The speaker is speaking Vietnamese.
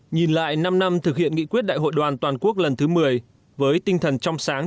nhìn lại năm năm thực hiện nghị quyết đại hội đoàn toàn quốc lần thứ một mươi với tinh thần trong sáng